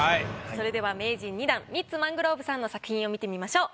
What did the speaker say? それでは名人２段ミッツ・マングローブさんの作品を見てみましょう。